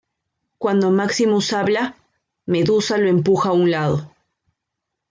Cuando Maximus habla, Medusa lo empuja a un lado.